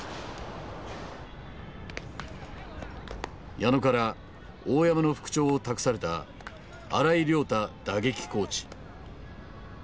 矢野から大山の復調を託された新井良太打撃コーチ。